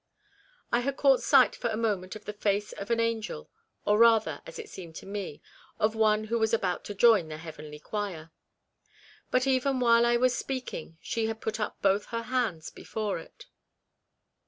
I had caught sight for a moment of the face of an angel, or rather, as it seemed to me, of one who was about to join the heavenly choir ; but even while I was speaking she had put up both her hands before it.